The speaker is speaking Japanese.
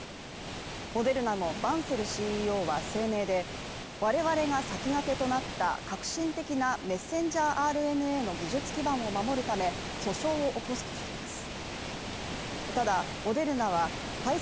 モデルナのバンセルＣＥＯは声明で我々が先駆けとなった核心的なメッセンジャーＲＮＡの技術基盤を守るため訴訟を起こすとしています。